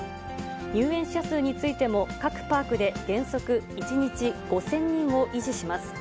入園者数についても、各パークで原則１日５０００人を維持します。